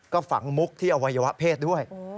ก็ฝังมุกที่อวัยวะเพศด้วย